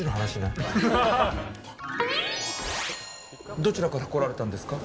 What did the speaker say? どちらから来られたんですか？